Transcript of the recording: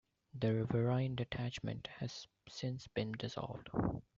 The Riverine Detachment has since been dissolved.